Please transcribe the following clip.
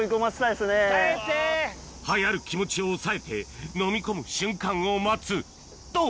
はやる気持ちを抑えてのみ込む瞬間を待つと！